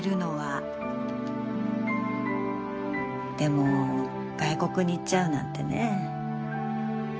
でも外国に行っちゃうなんてねえ。